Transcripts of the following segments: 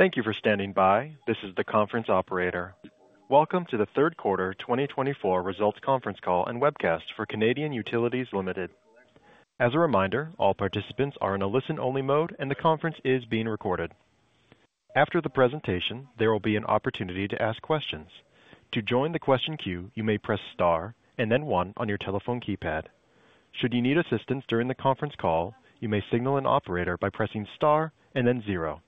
Thank you for standing by. This is the conference operator. Welcome to the Third Quarter 2024 Results Conference Call and webcast for Canadian Utilities Limited. As a reminder, all participants are in a listen-only mode, and the conference is being recorded. After the presentation, there will be an opportunity to ask questions. To join the question queue, you may press star and then one on your telephone keypad. Should you need assistance during the conference call, you may signal an operator by pressing star and then zero.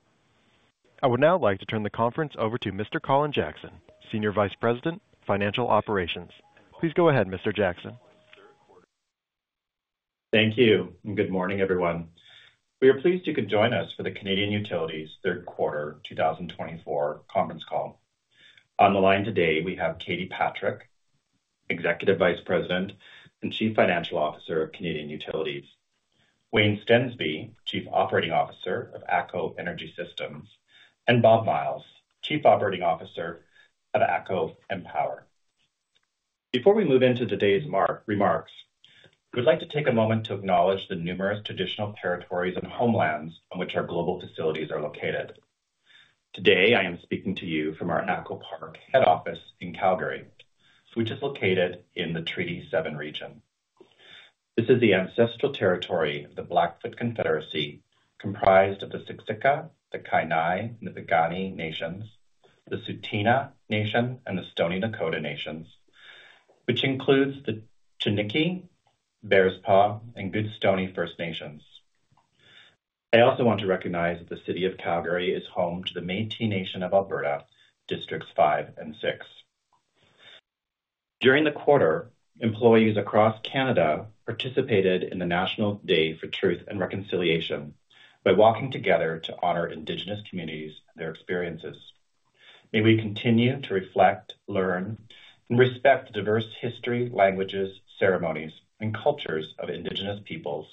I would now like to turn the conference over to Mr. Colin Jackson, Senior Vice President, Financial Operations. Please go ahead, Mr. Jackson. Thank you. Good morning, everyone. We are pleased you could join us for the Canadian Utilities third quarter 2024 conference call. On the line today, we have Katie Patrick, Executive Vice President and Chief Financial Officer of Canadian Utilities, Wayne Stensby, Chief Operating Officer of ATCO Energy Systems, and Bob Myles, Chief Operating Officer of ATCO EnPower. Before we move into today's remarks, we'd like to take a moment to acknowledge the numerous traditional territories and homelands on which our global facilities are located. Today, I am speaking to you from our ATCO Park head office in Calgary, which is located in the Treaty 7 region. This is the ancestral territory of the Blackfoot Confederacy, comprised of the Siksika, the Kainai, and the Piikani Nations, the Tsuut'ina Nation, and the Stoney Nakoda Nations, which includes the Chiniki, Bearspaw, and Goodstoney First Nations. I also want to recognize that the city of Calgary is home to the Métis Nation of Alberta, districts five and six. During the quarter, employees across Canada participated in the National Day for Truth and Reconciliation by walking together to honor Indigenous communities and their experiences. May we continue to reflect, learn, and respect the diverse history, languages, ceremonies, and cultures of Indigenous peoples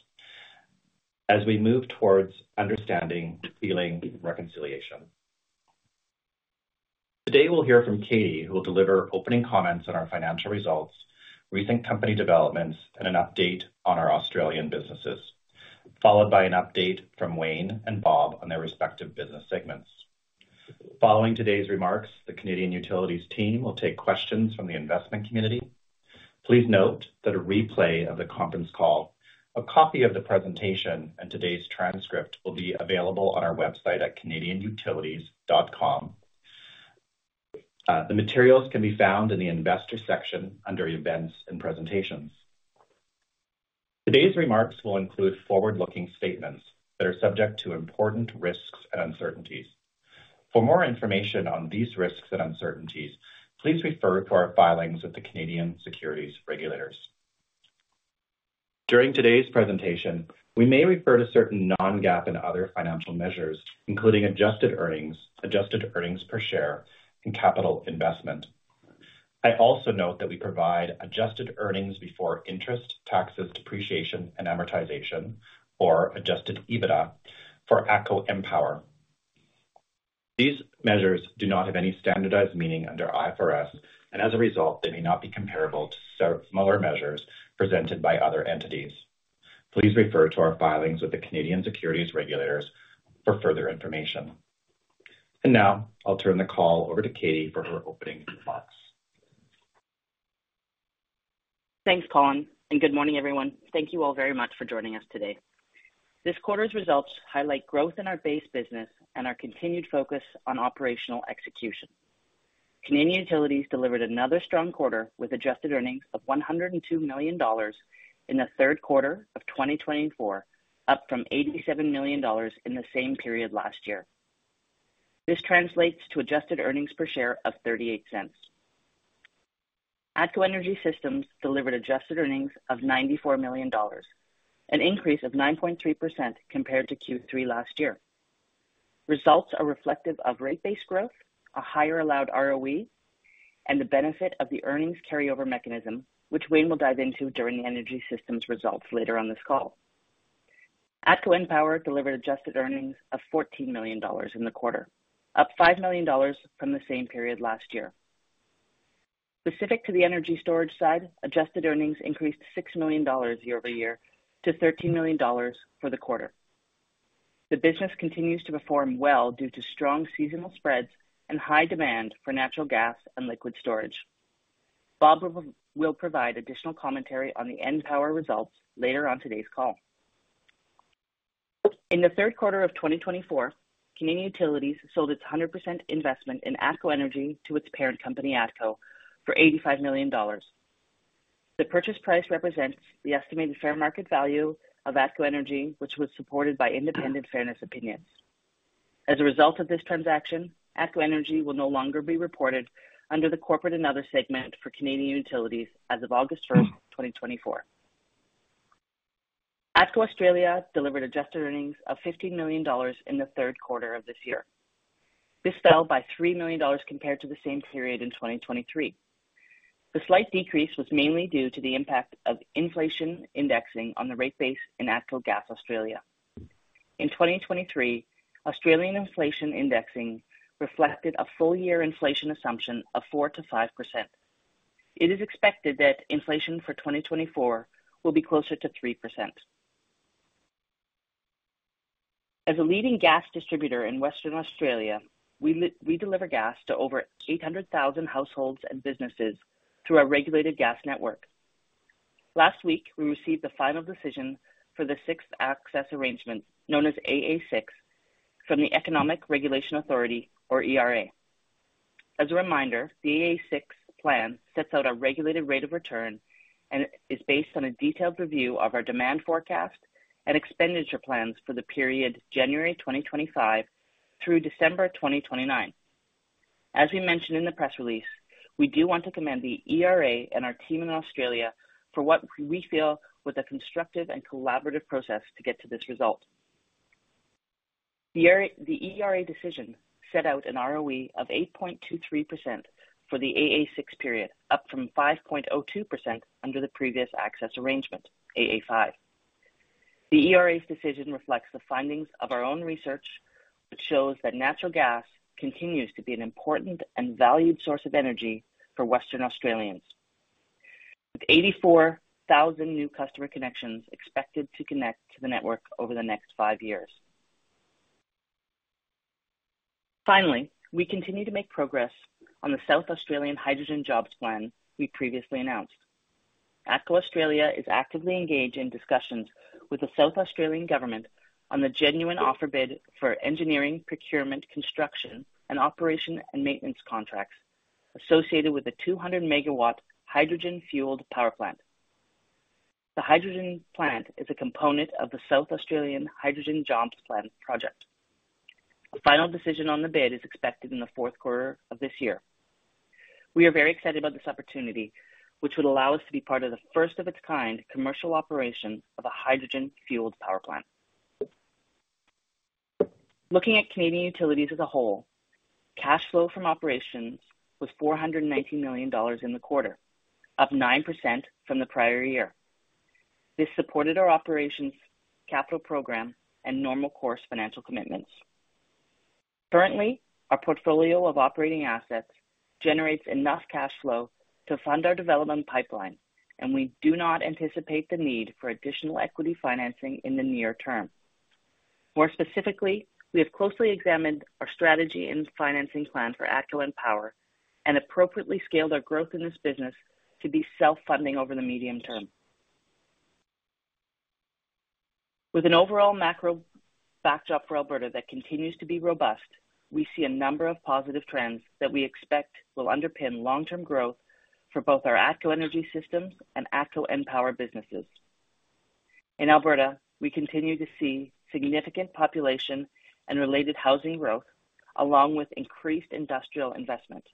as we move towards understanding, healing, and reconciliation. Today, we'll hear from Katie, who will deliver opening comments on our financial results, recent company developments, and an update on our Australian businesses, followed by an update from Wayne and Bob on their respective business segments. Following today's remarks, the Canadian Utilities team will take questions from the investment community. Please note that a replay of the conference call, a copy of the presentation, and today's transcript will be available on our website at canadianutilities.com. The materials can be found in the investor section under Events and Presentations. Today's remarks will include forward-looking statements that are subject to important risks and uncertainties. For more information on these risks and uncertainties, please refer to our filings with the Canadian Securities Regulators. During today's presentation, we may refer to certain non-GAAP and other financial measures, including adjusted earnings, adjusted earnings per share, and capital investment. I also note that we provide adjusted earnings before interest, taxes, depreciation, and amortization, or adjusted EBITDA for ATCO EnPower. These measures do not have any standardized meaning under IFRS, and as a result, they may not be comparable to similar measures presented by other entities. Please refer to our filings with the Canadian Securities Regulators for further information, and now, I'll turn the call over to Katie for her opening remarks. Thanks, Colin, and good morning, everyone. Thank you all very much for joining us today. This quarter's results highlight growth in our base business and our continued focus on operational execution. Canadian Utilities delivered another strong quarter with adjusted earnings of $102 million in the third quarter of 2024, up from $87 million in the same period last year. This translates to adjusted earnings per share of $0.38. ATCO Energy Systems delivered adjusted earnings of $94 million, an increase of 9.3% compared to Q3 last year. Results are reflective of rate-based growth, a higher allowed ROE, and the benefit of the earnings carryover mechanism, which Wayne will dive into during the energy systems results later on this call. ATCO EnPower delivered adjusted earnings of $14 million in the quarter, up $5 million from the same period last year. Specific to the energy storage side, adjusted earnings increased $6 million year-over-year to $13 million for the quarter. The business continues to perform well due to strong seasonal spreads and high demand for natural gas and liquid storage. Bob will provide additional commentary on the EnPower results later on today's call. In the third quarter of 2024, Canadian Utilities sold its 100% investment in ATCO Energy to its parent company, ATCO, for $85 million. The purchase price represents the estimated fair market value of ATCO Energy, which was supported by independent fairness opinions. As a result of this transaction, ATCO Energy will no longer be reported under the corporate and other segment for Canadian Utilities as of August 1, 2024. ATCO Australia delivered adjusted earnings of $15 million in the third quarter of this year. This fell by $3 million compared to the same period in 2023. The slight decrease was mainly due to the impact of inflation indexing on the rate base in ATCO Gas Australia. In 2023, Australian inflation indexing reflected a full-year inflation assumption of 4%-5%. It is expected that inflation for 2024 will be closer to 3%. As a leading gas distributor in Western Australia, we deliver gas to over 800,000 households and businesses through our regulated gas network. Last week, we received the final decision for the sixth access arrangement, known as AA6, from the Economic Regulation Authority, or ERA. As a reminder, the AA6 plan sets out a regulated rate of return and is based on a detailed review of our demand forecast and expenditure plans for the period January 2025 through December 2029. As we mentioned in the press release, we do want to commend the ERA and our team in Australia for what we feel was a constructive and collaborative process to get to this result. The ERA decision set out an ROE of 8.23% for the AA6 period, up from 5.02% under the previous access arrangement, AA5. The ERA's decision reflects the findings of our own research, which shows that natural gas continues to be an important and valued source of energy for Western Australians, with 84,000 new customer connections expected to connect to the network over the next five years. Finally, we continue to make progress on the South Australian Hydrogen Jobs Plan we previously announced. ATCO Australia is actively engaged in discussions with the South Australian government on the Genuine Offer bid for engineering, procurement, construction, and operation and maintenance contracts associated with the 200-megawatt hydrogen-fueled power plant. The hydrogen plant is a component of the South Australian Hydrogen Jobs Plan project. A final decision on the bid is expected in the fourth quarter of this year. We are very excited about this opportunity, which would allow us to be part of the first-of-its-kind commercial operation of a hydrogen-fueled power plant. Looking at Canadian Utilities as a whole, cash flow from operations was 419 million dollars in the quarter, up 9% from the prior year. This supported our operations capital program and normal course financial commitments. Currently, our portfolio of operating assets generates enough cash flow to fund our development pipeline, and we do not anticipate the need for additional equity financing in the near term. More specifically, we have closely examined our strategy and financing plan for ATCO EnPower and appropriately scaled our growth in this business to be self-funding over the medium term. With an overall macro backdrop for Alberta that continues to be robust, we see a number of positive trends that we expect will underpin long-term growth for both our ATCO Energy Systems and ATCO EnPower businesses. In Alberta, we continue to see significant population and related housing growth, along with increased industrial investment.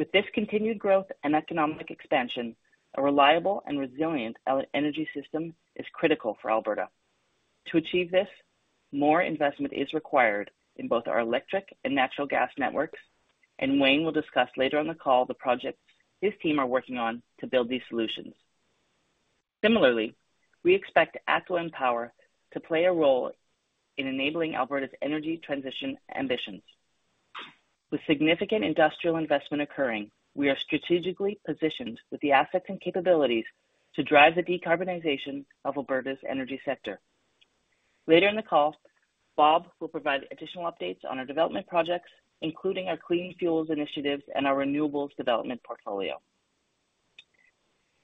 With this continued growth and economic expansion, a reliable and resilient energy system is critical for Alberta. To achieve this, more investment is required in both our electric and natural gas networks, and Wayne will discuss later on the call the projects his team are working on to build these solutions. Similarly, we expect ATCO EnPower to play a role in enabling Alberta's energy transition ambitions. With significant industrial investment occurring, we are strategically positioned with the assets and capabilities to drive the decarbonization of Alberta's energy sector. Later in the call, Bob will provide additional updates on our development projects, including our clean fuels initiatives and our renewables development portfolio.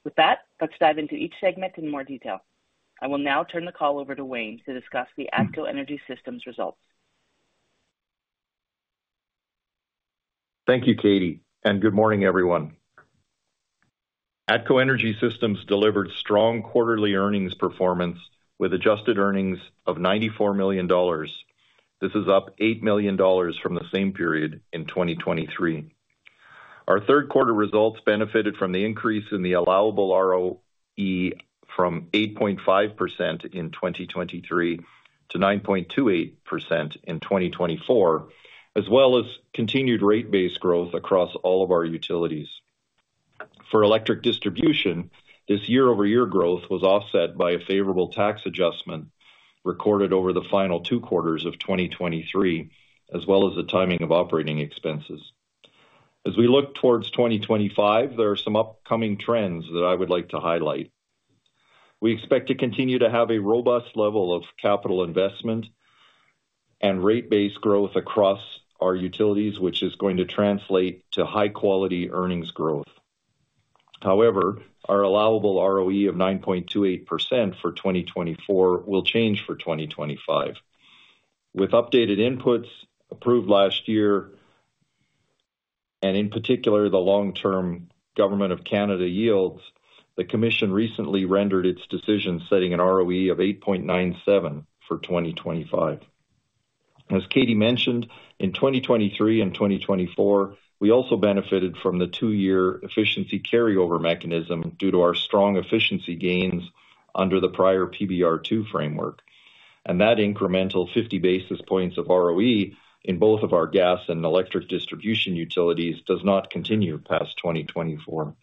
With that, let's dive into each segment in more detail. I will now turn the call over to Wayne to discuss the ATCO Energy Systems results. Thank you, Katie, and good morning, everyone. ATCO Energy Systems delivered strong quarterly earnings performance with adjusted earnings of 94 million dollars. This is up 8 million dollars from the same period in 2023. Our third quarter results benefited from the increase in the allowable ROE from 8.5% in 2023 to 9.28% in 2024, as well as continued rate-based growth across all of our utilities. For electric distribution, this year-over-year growth was offset by a favorable tax adjustment recorded over the final two quarters of 2023, as well as the timing of operating expenses. As we look towards 2025, there are some upcoming trends that I would like to highlight. We expect to continue to have a robust level of capital investment and rate-based growth across our utilities, which is going to translate to high-quality earnings growth. However, our allowable ROE of 9.28% for 2024 will change for 2025. With updated inputs approved last year, and in particular the long-term Government of Canada yields, the Commission recently rendered its decision, setting an ROE of 8.97% for 2025. As Katie mentioned, in 2023 and 2024, we also benefited from the two-year efficiency carryover mechanism due to our strong efficiency gains under the prior PBR 2 framework, and that incremental 50 basis points of ROE in both of our gas and electric distribution utilities does not continue past 2024.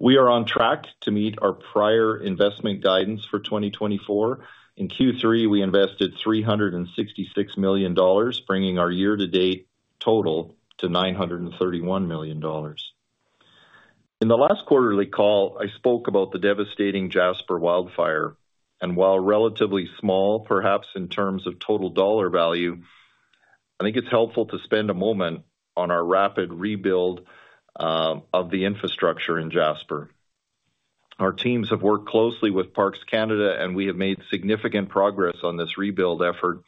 We are on track to meet our prior investment guidance for 2024. In Q3, we invested 366 million dollars, bringing our year-to-date total to 931 million dollars. In the last quarterly call, I spoke about the devastating Jasper wildfire, and while relatively small, perhaps in terms of total dollar value, I think it's helpful to spend a moment on our rapid rebuild of the infrastructure in Jasper. Our teams have worked closely with Parks Canada, and we have made significant progress on this rebuild effort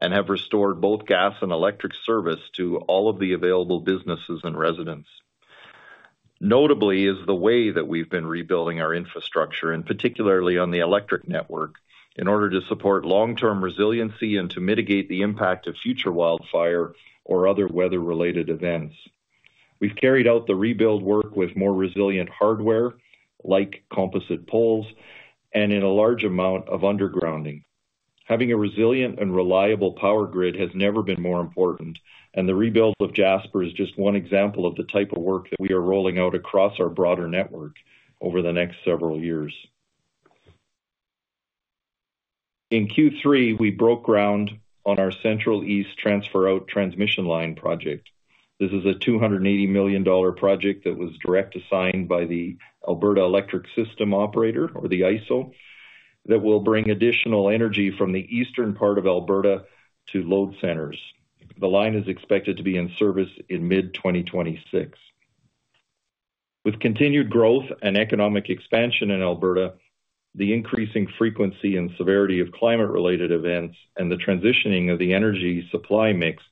and have restored both gas and electric service to all of the available businesses and residents. Notably is the way that we've been rebuilding our infrastructure, and particularly on the electric network, in order to support long-term resiliency and to mitigate the impact of future wildfire or other weather-related events. We've carried out the rebuild work with more resilient hardware, like composite poles, and in a large amount of undergrounding. Having a resilient and reliable power grid has never been more important, and the rebuild of Jasper is just one example of the type of work that we are rolling out across our broader network over the next several years. In Q3, we broke ground on our Central East Transfer-Out Transmission Line project. This is a 280 million dollar project that was directly assigned by the Alberta Electric System Operator, or the ISO, that will bring additional energy from the eastern part of Alberta to load centers. The line is expected to be in service in mid-2026. With continued growth and economic expansion in Alberta, the increasing frequency and severity of climate-related events, and the transitioning of the energy supply mix,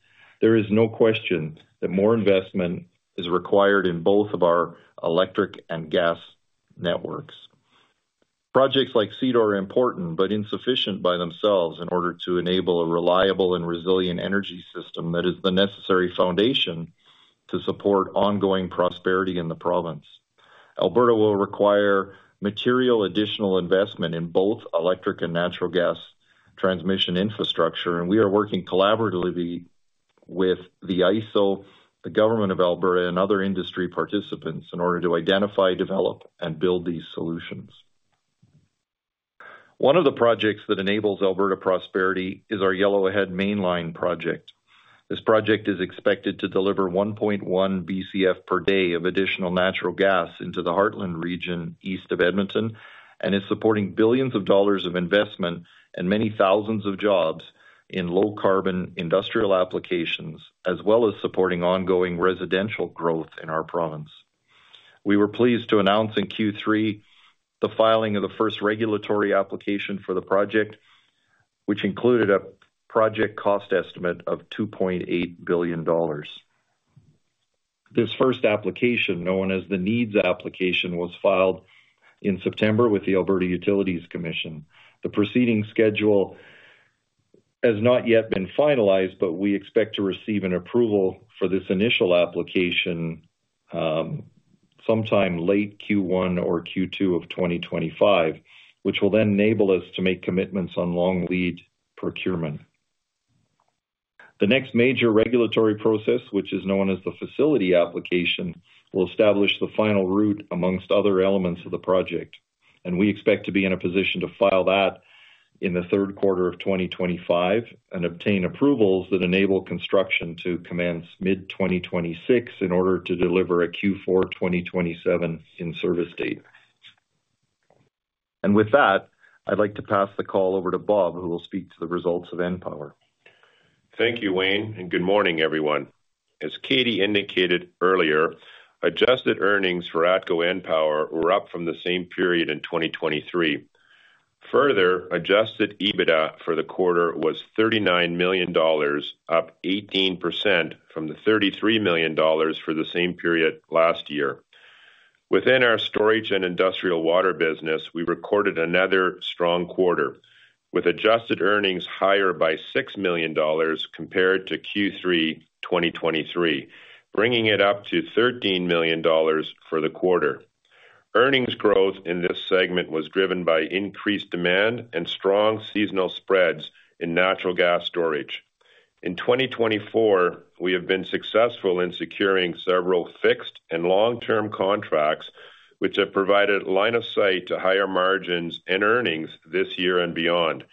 there is no question that more investment is required in both of our electric and gas networks. Projects like CEDAR are important but insufficient by themselves in order to enable a reliable and resilient energy system that is the necessary foundation to support ongoing prosperity in the province. Alberta will require material additional investment in both electric and natural gas transmission infrastructure, and we are working collaboratively with the ISO, the government of Alberta, and other industry participants in order to identify, develop, and build these solutions. One of the projects that enables Alberta prosperity is our Yellowhead Mainline project. This project is expected to deliver 1.1 BCF per day of additional natural gas into the Heartland region east of Edmonton and is supporting billions of dollars of investment and many thousands of jobs in low-carbon industrial applications, as well as supporting ongoing residential growth in our province. We were pleased to announce in Q3 the filing of the first regulatory application for the project, which included a project cost estimate of 2.8 billion dollars. This first application, known as the NID Application, was filed in September with the Alberta Utilities Commission. The proceeding schedule has not yet been finalized, but we expect to receive an approval for this initial application sometime late Q1 or Q2 of 2025, which will then enable us to make commitments on long lead procurement. The next major regulatory process, which is known as the facility application, will establish the final route amongst other elements of the project, and we expect to be in a position to file that in the third quarter of 2025 and obtain approvals that enable construction to commence mid-2026 in order to deliver a Q4 2027 in-service date. And with that, I'd like to pass the call over to Bob, who will speak to the results of EnPower. Thank you, Wayne, and good morning, everyone. As Katie indicated earlier, adjusted earnings for ATCO EnPower were up from the same period in 2023. Further, adjusted EBITDA for the quarter was 39 million dollars, up 18% from the 33 million dollars for the same period last year. Within our storage and industrial water business, we recorded another strong quarter, with adjusted earnings higher by 6 million dollars compared to Q3 2023, bringing it up to 13 million dollars for the quarter. Earnings growth in this segment was driven by increased demand and strong seasonal spreads in natural gas storage. In 2024, we have been successful in securing several fixed and long-term contracts, which have provided line of sight to higher margins and earnings this year and beyond.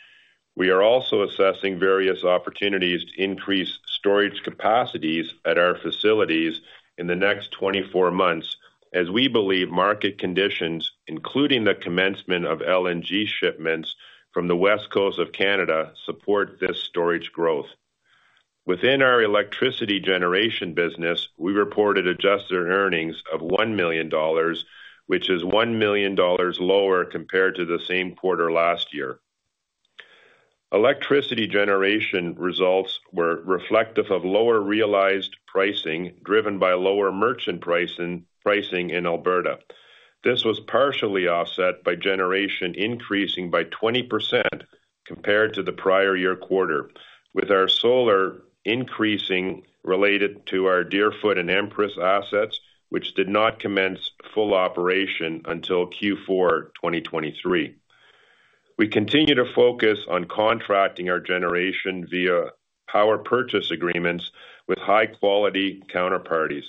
We are also assessing various opportunities to increase storage capacities at our facilities in the next 24 months, as we believe market conditions, including the commencement of LNG shipments from the west coast of Canada, support this storage growth. Within our electricity generation business, we reported adjusted earnings of 1 million dollars, which is one million dollars lower compared to the same quarter last year. Electricity generation results were reflective of lower realized pricing driven by lower merchant pricing in Alberta. This was partially offset by generation increasing by 20% compared to the prior year quarter, with our solar increasing related to our Deerfoot and Empress assets, which did not commence full operation until Q4 2023. We continue to focus on contracting our generation via power purchase agreements with high-quality counterparties.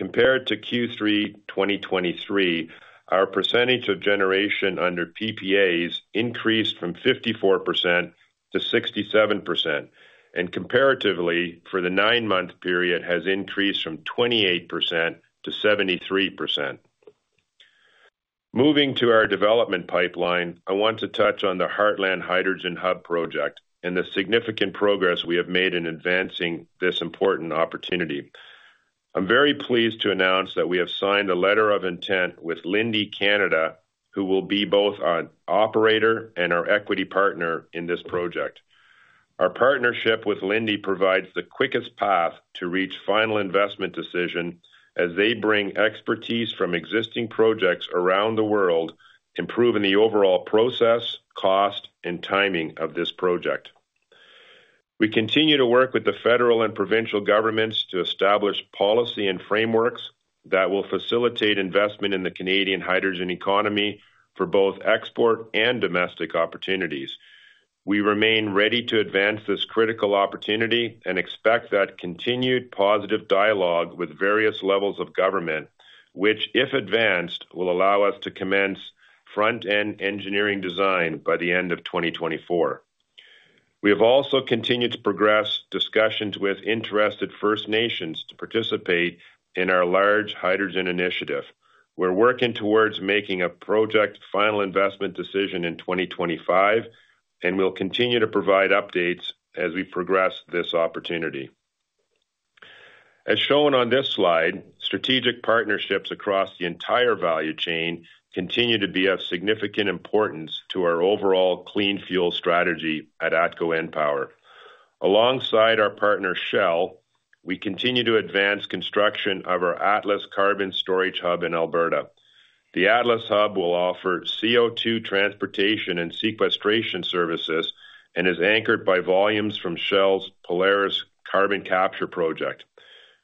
Compared to Q3 2023, our percentage of generation under PPAs increased from 54%-67%, and comparatively, for the nine-month period, has increased from 28%-73%. Moving to our development pipeline, I want to touch on the Heartland Hydrogen Hub project and the significant progress we have made in advancing this important opportunity. I'm very pleased to announce that we have signed a letter of intent with Linde Canada, who will be both our operator and our equity partner in this project. Our partnership with Linde provides the quickest path to reach final investment decision, as they bring expertise from existing projects around the world, improving the overall process, cost, and timing of this project. We continue to work with the federal and provincial governments to establish policy and frameworks that will facilitate investment in the Canadian hydrogen economy for both export and domestic opportunities. We remain ready to advance this critical opportunity and expect that continued positive dialogue with various levels of government, which, if advanced, will allow us to commence front-end engineering design by the end of 2024. We have also continued to progress discussions with interested First Nations to participate in our large hydrogen initiative. We're working towards making a project final investment decision in 2025, and we'll continue to provide updates as we progress this opportunity. As shown on this slide, strategic partnerships across the entire value chain continue to be of significant importance to our overall clean fuel strategy at ATCO EnPower. Alongside our partner Shell, we continue to advance construction of our Atlas Carbon Storage Hub in Alberta. The Atlas Hub will offer CO2 transportation and sequestration services and is anchored by volumes from Shell's Polaris carbon capture project.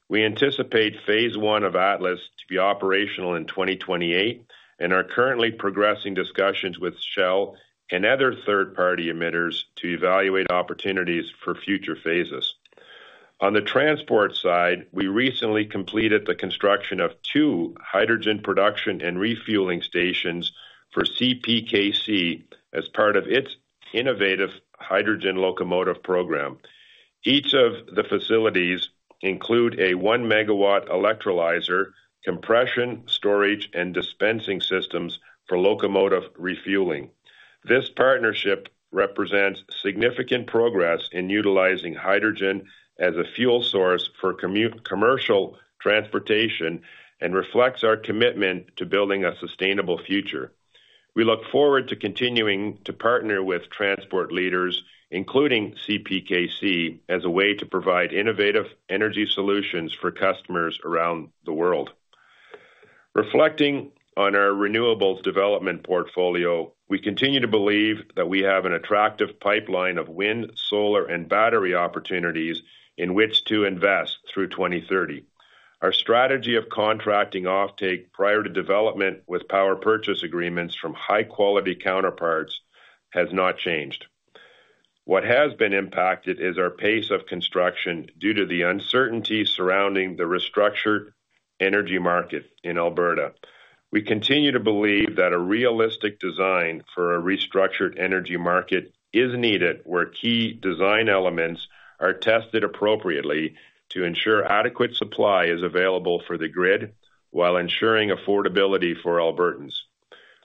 We anticipate phase one of Atlas to be operational in 2028 and are currently progressing discussions with Shell and other third-party emitters to evaluate opportunities for future phases. On the transport side, we recently completed the construction of two hydrogen production and refueling stations for CPKC as part of its innovative hydrogen locomotive program. Each of the facilities includes a one-megawatt electrolyzer, compression, storage, and dispensing systems for locomotive refueling. This partnership represents significant progress in utilizing hydrogen as a fuel source for commercial transportation and reflects our commitment to building a sustainable future. We look forward to continuing to partner with transport leaders, including CPKC, as a way to provide innovative energy solutions for customers around the world. Reflecting on our renewables development portfolio, we continue to believe that we have an attractive pipeline of wind, solar, and battery opportunities in which to invest through 2030. Our strategy of contracting off-take prior to development with power purchase agreements from high-quality counterparts has not changed. What has been impacted is our pace of construction due to the uncertainty surrounding the restructured energy market in Alberta. We continue to believe that a realistic design for a restructured energy market is needed where key design elements are tested appropriately to ensure adequate supply is available for the grid while ensuring affordability for Albertans.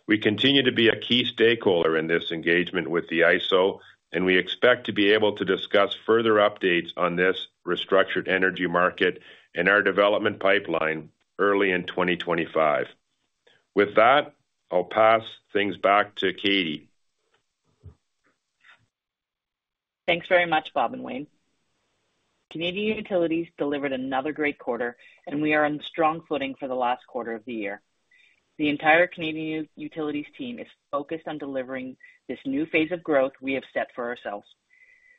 We continue to be a key stakeholder in this engagement with the ISO, and we expect to be able to discuss further updates on this restructured energy market and our development pipeline early in 2025. With that, I'll pass things back to Katie. Thanks very much, Bob and Wayne. Canadian Utilities delivered another great quarter, and we are on strong footing for the last quarter of the year. The entire Canadian Utilities team is focused on delivering this new phase of growth we have set for ourselves.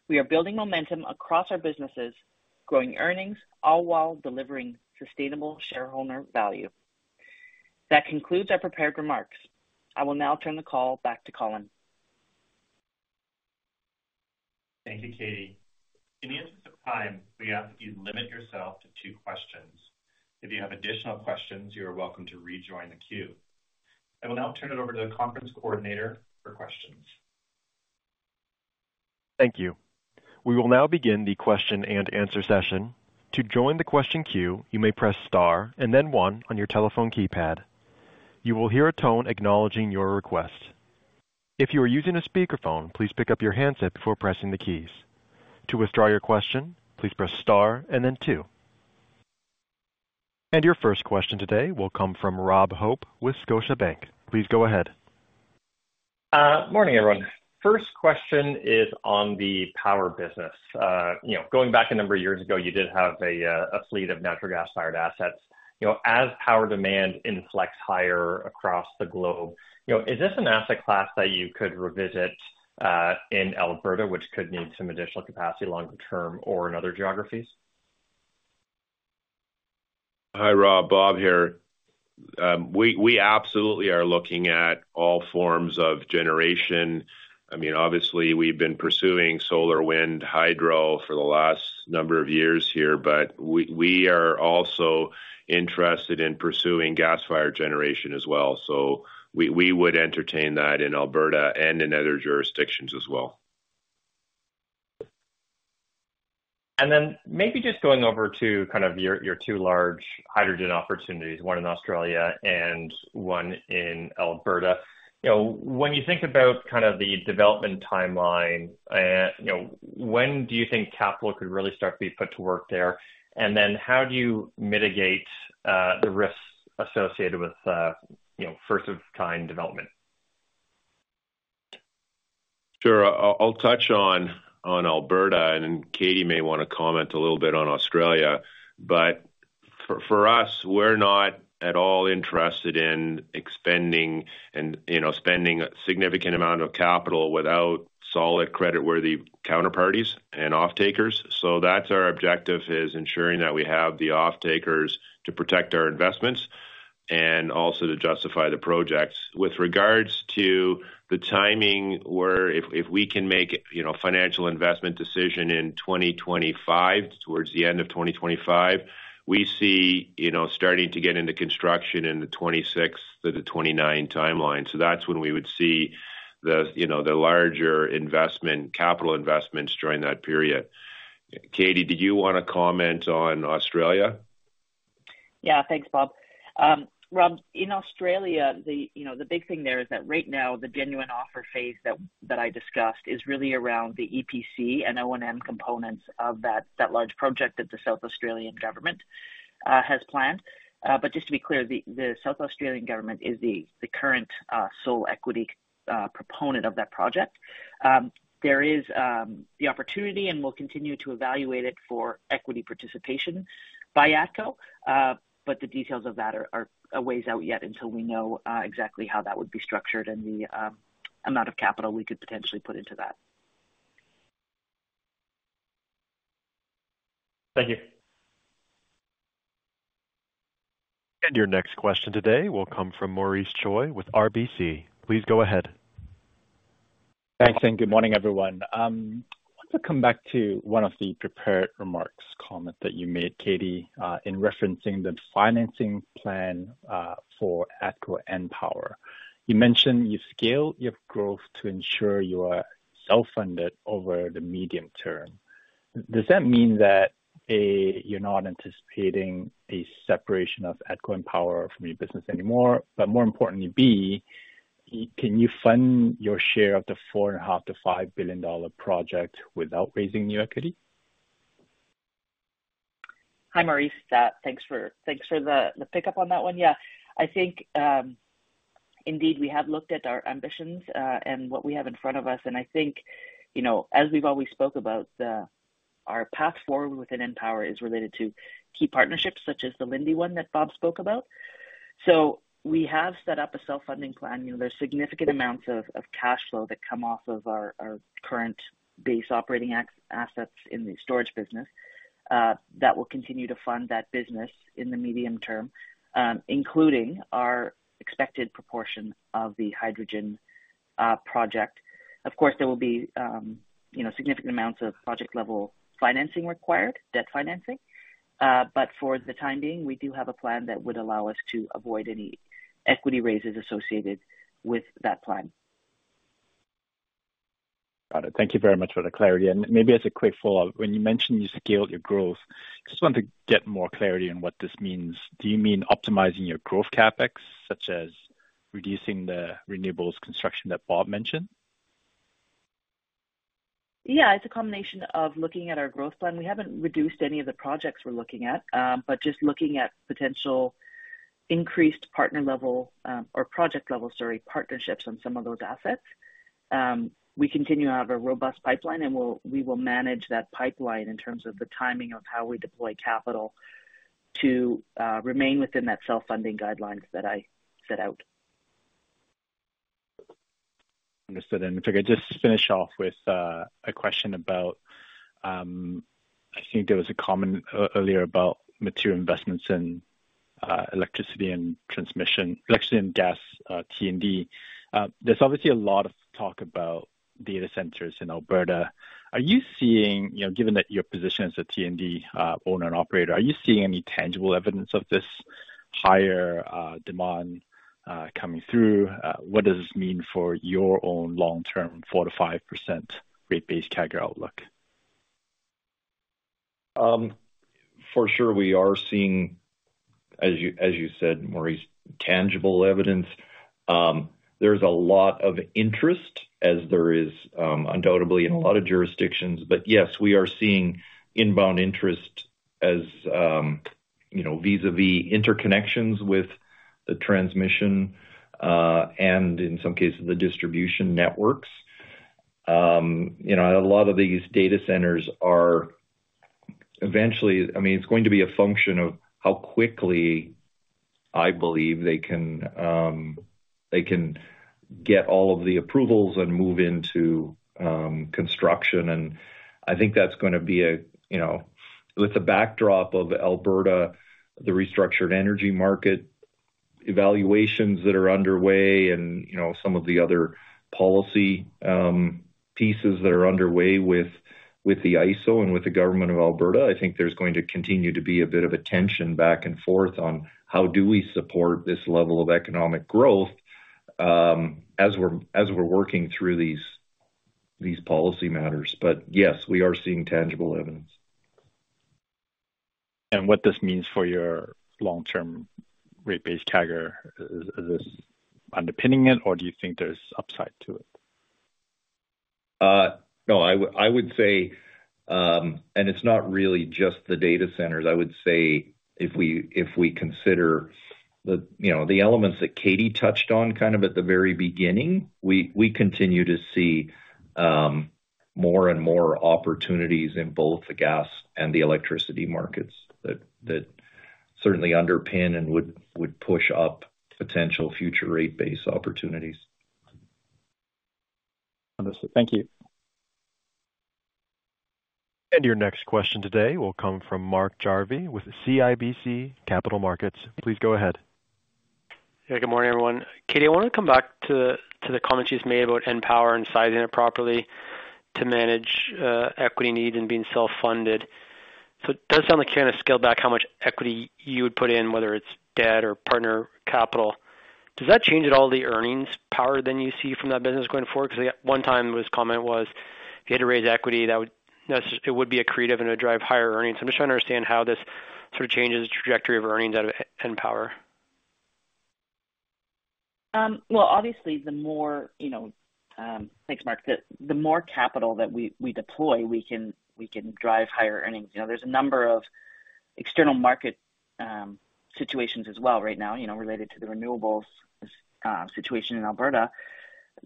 We are building momentum across our businesses, growing earnings, all while delivering sustainable shareholder value. That concludes our prepared remarks. I will now turn the call back to Colin. Thank you, Katie. In the interest of time, we ask that you limit yourself to two questions. If you have additional questions, you are welcome to rejoin the queue. I will now turn it over to the conference coordinator for questions. Thank you. We will now begin the question and answer session. To join the question queue, you may press star and then one on your telephone keypad. You will hear a tone acknowledging your request. If you are using a speakerphone, please pick up your handset before pressing the keys. To withdraw your question, please press star and then two. And your first question today will come from Rob Hope with Scotiabank. Please go ahead. Morning, everyone. First question is on the power business. Going back a number of years ago, you did have a fleet of natural gas-fired assets. As power demand inflects higher across the globe, is this an asset class that you could revisit in Alberta, which could need some additional capacity longer term or in other geographies? Hi, Rob. Bob here. We absolutely are looking at all forms of generation. I mean, obviously, we've been pursuing solar, wind, hydro for the last number of years here, but we are also interested in pursuing gas-fired generation as well. So we would entertain that in Alberta and in other jurisdictions as well. And then maybe just going over to kind of your two large hydrogen opportunities, one in Australia and one in Alberta. When you think about kind of the development timeline, when do you think capital could really start to be put to work there? And then how do you mitigate the risks associated with first-of-kind development? Sure. I'll touch on Alberta, and Katie may want to comment a little bit on Australia. But for us, we're not at all interested in expending a significant amount of capital without solid, credit-worthy counterparties and off-takers. So that's our objective, is ensuring that we have the off-takers to protect our investments and also to justify the projects. With regards to the timing, if we can make a financial investment decision in 2025, towards the end of 2025, we see starting to get into construction in the 2026 to the 2029 timeline. So that's when we would see the larger capital investments during that period. Katie, do you want to comment on Australia? Yeah, thanks, Bob. Rob, in Australia, the big thing there is that right now, the Genuine Offer phase that I discussed is really around the EPC and O&M components of that large project that the South Australian government has planned. But just to be clear, the South Australian government is the current sole equity proponent of that project. There is the opportunity, and we'll continue to evaluate it for equity participation by ATCO, but the details of that are a ways out yet until we know exactly how that would be structured and the amount of capital we could potentially put into that. Thank you. And your next question today will come from Maurice Choy with RBC. Please go ahead. Thanks, and good morning, everyone. I want to come back to one of the prepared remarks comment that you made, Katie, in referencing the financing plan for ATCO EnPower. You mentioned you scale your growth to ensure you are self-funded over the medium term. Does that mean that you're not anticipating a separation of ATCO EnPower from your business anymore? But more importantly, can you fund your share of the $4.5-$5 billion project without raising new equity? Hi, Maurice. Thanks for the pickup on that one. Yeah, I think indeed we have looked at our ambitions and what we have in front of us. I think, as we've always spoke about, our path forward within EnPower is related to key partnerships such as the Linde one that Bob spoke about. We have set up a self-funding plan. There's significant amounts of cash flow that come off of our current base operating assets in the storage business that will continue to fund that business in the medium term, including our expected proportion of the hydrogen project. Of course, there will be significant amounts of project-level financing required, debt financing. For the time being, we do have a plan that would allow us to avoid any equity raises associated with that plan. Got it. Thank you very much for the clarity. Maybe as a quick follow-up, when you mentioned you scaled your growth, I just want to get more clarity on what this means. Do you mean optimizing your growth CapEx, such as reducing the renewables construction that Bob mentioned? Yeah, it's a combination of looking at our growth plan. We haven't reduced any of the projects we're looking at, but just looking at potential increased partner-level or project-level, sorry, partnerships on some of those assets. We continue to have a robust pipeline, and we will manage that pipeline in terms of the timing of how we deploy capital to remain within that self-funding guidelines that I set out. Understood, and if I could just finish off with a question about, I think there was a comment earlier about material investments in electricity and transmission, electricity and gas, T&D. There's obviously a lot of talk about data centers in Alberta. Are you seeing, given that your position is a T&D owner and operator, are you seeing any tangible evidence of this higher demand coming through? What does this mean for your own long-term 4%-5% rate-based CAGR outlook? For sure, we are seeing, as you said, Maurice, tangible evidence. There's a lot of interest, as there is undoubtedly in a lot of jurisdictions. But yes, we are seeing inbound interest as vis-à-vis interconnections with the transmission and, in some cases, the distribution networks. A lot of these data centers are eventually, I mean, it's going to be a function of how quickly I believe they can get all of the approvals and move into construction. And I think that's going to be a, with the backdrop of Alberta, the restructured energy market evaluations that are underway and some of the other policy pieces that are underway with the ISO and with the Government of Alberta, I think there's going to continue to be a bit of a tension back and forth on how do we support this level of economic growth as we're working through these policy matters. But yes, we are seeing tangible evidence. What this means for your long-term rate base CAGR, is this underpinning it, or do you think there's upside to it? No, I would say, and it's not really just the data centers. I would say if we consider the elements that Katie touched on kind of at the very beginning, we continue to see more and more opportunities in both the gas and the electricity markets that certainly underpin and would push up potential future rate-based opportunities. Understood. Thank you. And your next question today will come from Mark Jarvi with CIBC Capital Markets. Please go ahead. Hey, good morning, everyone. Katie, I want to come back to the comment she's made about EnPower and sizing it properly to manage equity needs and being self-funded. So it does sound like you're going to scale back how much equity you would put in, whether it's debt or partner capital. Does that change at all the earnings power then you see from that business going forward? Because one time comment was if you had to raise equity, it would be accretive and it would drive higher earnings. I'm just trying to understand how this sort of changes the trajectory of earnings out of EnPower. Well, thanks, Mark. Obviously, the more capital that we deploy, we can drive higher earnings. There's a number of external market situations as well right now related to the renewables situation in Alberta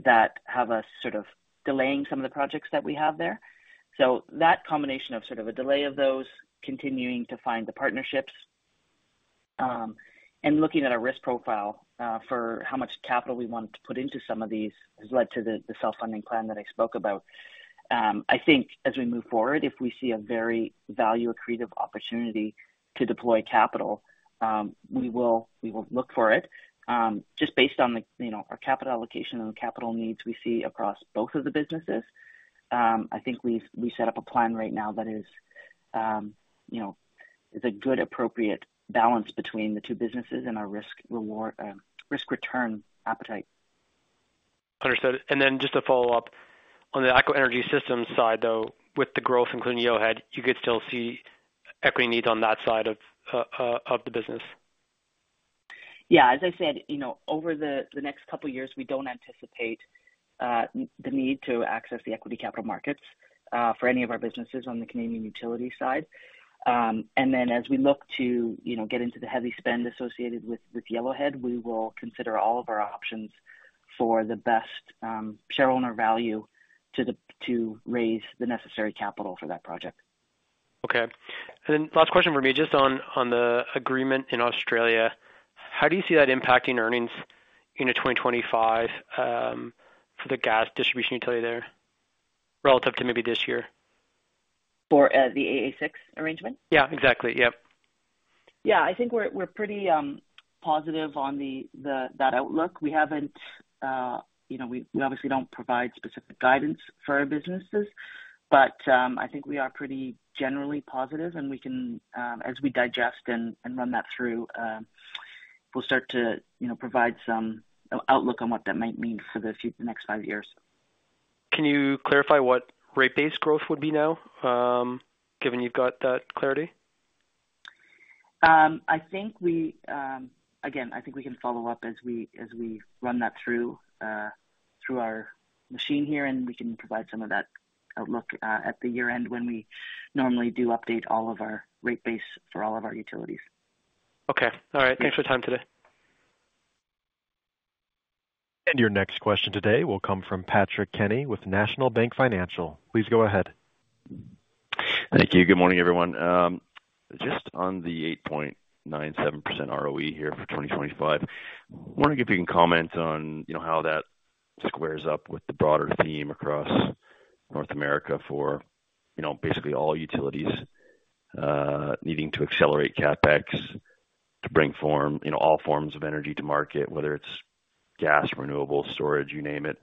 that have us sort of delaying some of the projects that we have there. So that combination of sort of a delay of those, continuing to find the partnerships, and looking at our risk profile for how much capital we want to put into some of these has led to the self-funding plan that I spoke about. I think as we move forward, if we see a very value-accretive opportunity to deploy capital, we will look for it. Just based on our capital allocation and the capital needs we see across both of the businesses, I think we set up a plan right now that is a good, appropriate balance between the two businesses and our risk-return appetite. Understood. And then just to follow up on the ATCO Energy Systems side, though, with the growth, including Yellowhead, you could still see equity needs on that side of the business. Yeah. As I said, over the next couple of years, we don't anticipate the need to access the equity capital markets for any of our businesses on the Canadian utility side. And then as we look to get into the heavy spend associated with Yellowhead, we will consider all of our options for the best shareholder value to raise the necessary capital for that project. Okay. And then last question for me, just on the agreement in Australia, how do you see that impacting earnings in 2025 for the gas distribution utility there relative to maybe this year? For the AA6 arrangement? Yeah, exactly. Yep. Yeah, I think we're pretty positive on that outlook. We obviously don't provide specific guidance for our businesses, but I think we are pretty generally positive, and as we digest and run that through, we'll start to provide some outlook on what that might mean for the next five years. Can you clarify what rate-based growth would be now, given you've got that clarity? Again, I think we can follow up as we run that through our machine here, and we can provide some of that outlook at the year-end when we normally do update all of our rate base for all of our utilities. Okay. All right. Thanks for your time today, and your next question today will come from Patrick Kenny with National Bank Financial. Please go ahead. Thank you. Good morning, everyone. Just on the 8.97% ROE here for 2025, I want to give you a comment on how that squares up with the broader theme across North America for basically all utilities needing to accelerate CapEx to bring all forms of energy to market, whether it's gas, renewables, storage, you name it.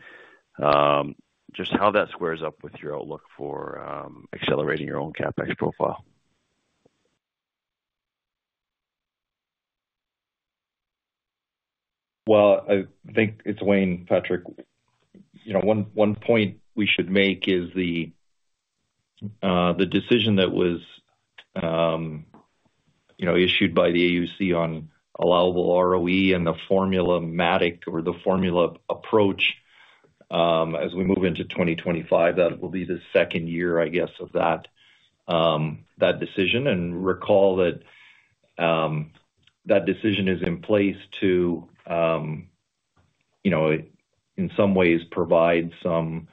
Just how that squares up with your outlook for accelerating your own CapEx profile. I think it's Wayne, Patrick. One point we should make is the decision that was issued by the AUC on allowable ROE and the formulaic or the formula approach as we move into 2025. That will be the second year, I guess, of that decision. Recall that that decision is in place to, in some ways, provide some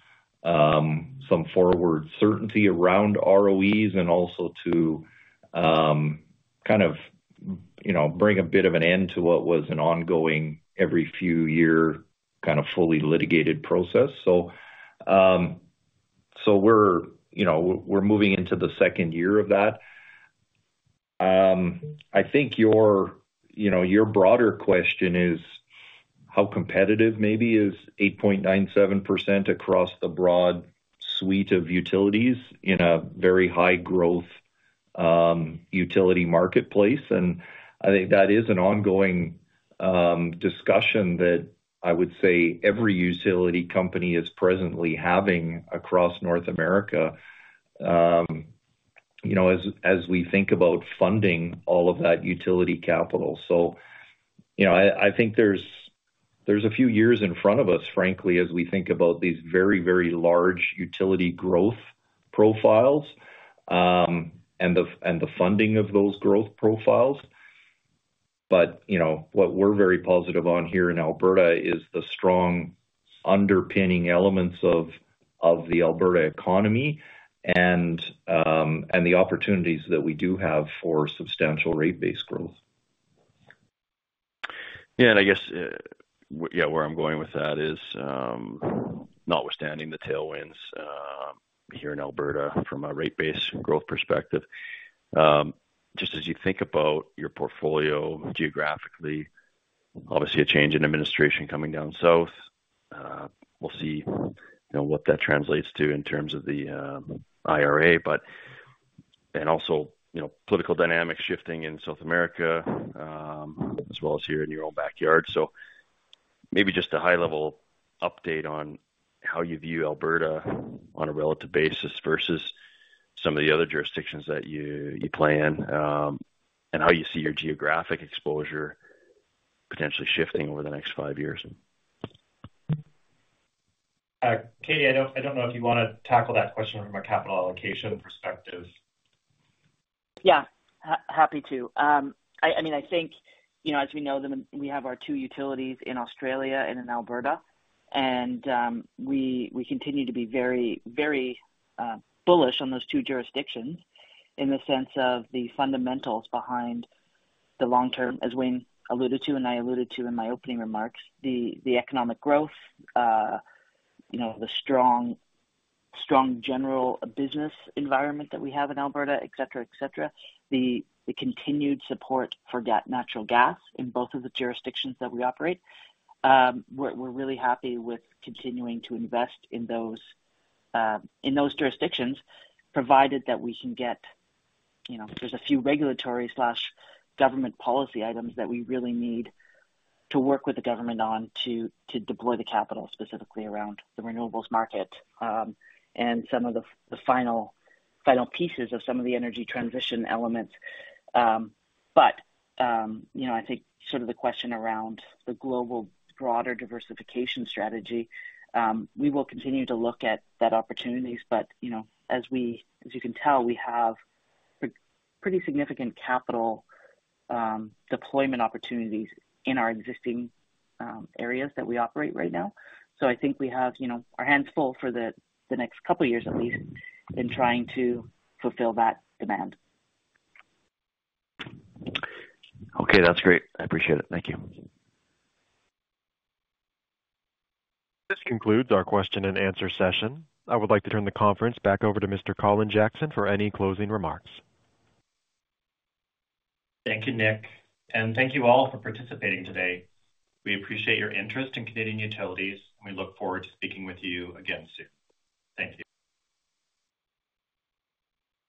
forward certainty around ROEs and also to kind of bring a bit of an end to what was an ongoing every few-year kind of fully litigated process. So we're moving into the second year of that. I think your broader question is how competitive maybe is 8.97% across the broad suite of utilities in a very high-growth utility marketplace. And I think that is an ongoing discussion that I would say every utility company is presently having across North America as we think about funding all of that utility capital. So I think there's a few years in front of us, frankly, as we think about these very, very large utility growth profiles and the funding of those growth profiles. But what we're very positive on here in Alberta is the strong underpinning elements of the Alberta economy and the opportunities that we do have for substantial rate-based growth. Yeah. And I guess, yeah, where I'm going with that is, notwithstanding the tailwinds here in Alberta from a rate-based growth perspective, just as you think about your portfolio geographically, obviously a change in administration coming down south. We'll see what that translates to in terms of the IRA, and also political dynamics shifting in South America as well as here in your own backyard. So maybe just a high-level update on how you view Alberta on a relative basis versus some of the other jurisdictions that you play in and how you see your geographic exposure potentially shifting over the next five years. Katie, I don't know if you want to tackle that question from a capital allocation perspective. Yeah. Happy to. I mean, I think as we know, we have our two utilities in Australia and in Alberta, and we continue to be very, very bullish on those two jurisdictions in the sense of the fundamentals behind the long-term, as Wayne alluded to and I alluded to in my opening remarks, the economic growth, the strong general business environment that we have in Alberta, etc., etc., the continued support for natural gas in both of the jurisdictions that we operate. We're really happy with continuing to invest in those jurisdictions, provided that we can get, there's a few regulatory/government policy items that we really need to work with the government on to deploy the capital specifically around the renewables market and some of the final pieces of some of the energy transition elements. But I think sort of the question around the global broader diversification strategy, we will continue to look at that opportunities. But as you can tell, we have pretty significant capital deployment opportunities in our existing areas that we operate right now. So I think we have our hands full for the next couple of years at least in trying to fulfill that demand. Okay. That's great. I appreciate it. Thank you. This concludes our question-and-answer session. I would like to turn the conference back over to Mr. Colin Jackson for any closing remarks. Thank you, Nick. And thank you all for participating today. We appreciate your interest in Canadian Utilities, and we look forward to speaking with you again soon. Thank you.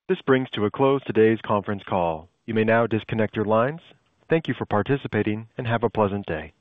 This brings to a close today's conference call. You may now disconnect your lines. Thank you for participating and have a pleasant day.